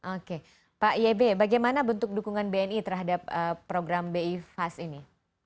oke pak yb bagaimana bentuk dukungan bni terhadap program bi fast ini